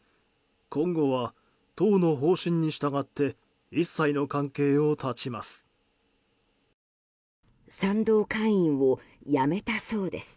今後は党の方針に従って一切の関係を断ちます。